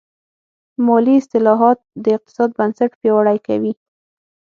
مالي اصلاحات د اقتصاد بنسټ پیاوړی کوي.